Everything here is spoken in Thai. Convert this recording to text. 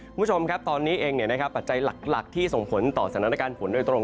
คุณผู้ชมครับตอนนี้เองปัจจัยหลักที่ส่งผลต่อสถานการณ์ฝนโดยตรง